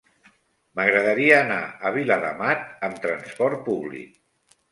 M'agradaria anar a Viladamat amb trasport públic.